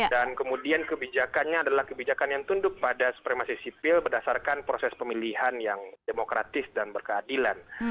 dan kemudian kebijakannya adalah kebijakan yang tunduk pada supremasi sipil berdasarkan proses pemilihan yang demokratis dan berkeadilan